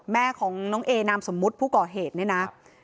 แม่ของน้องเอนามสมมุติผู้ก่อเหตุเนี่ยนะ